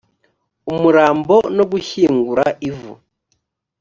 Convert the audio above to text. umurambo no gushyingura ivu